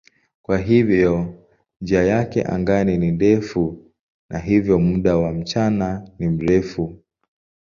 Kwa hiyo njia yake angani ni ndefu na hivyo muda wa mchana ni mrefu.